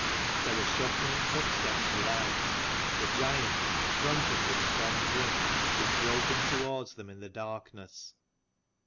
" There were shuffling footsteps without : the giant, drunken with strong drink, was groping towards them in the darkness.